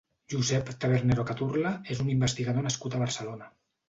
Josep Tabernero Caturla és un investigador nascut a Barcelona.